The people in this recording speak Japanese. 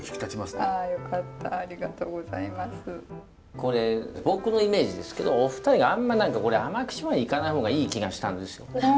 これ僕のイメージですけどお二人はあんま何か甘口までいかない方がいい気がしたんですよ。